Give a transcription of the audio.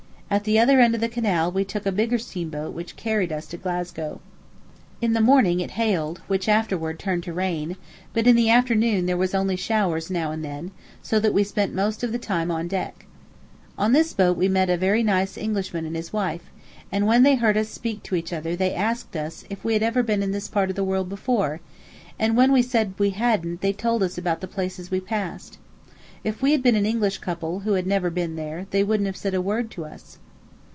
At the other end of the canal we took a bigger steamboat which carried us to Glasgow. In the morning it hailed, which afterward turned to rain, but in the afternoon there was only showers now and then, so that we spent most of the time on deck. On this boat we met a very nice Englishman and his wife, and when they had heard us speak to each other they asked us if we had ever been in this part of the world before, and when we said we hadn't they told us about the places we passed. If we had been an English couple who had never been there before they wouldn't have said a word to us.